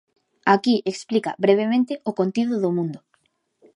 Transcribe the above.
Aquí explica brevemente o contido do mundo.